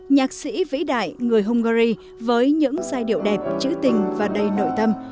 nhạc sĩ vĩ đại người hungary với những giai điệu đẹp chữ tình và đầy nội tâm